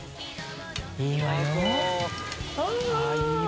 いいわよ。